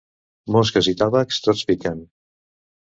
Mosques i tàvecs, tots piquen.